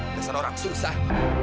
kesan orang susah